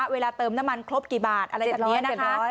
เวลาเติมน้ำมันครบกี่บาทอะไรแบบนี้นะคะ